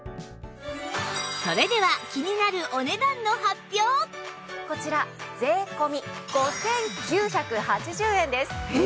それでは気になるこちら税込５９８０円です。え！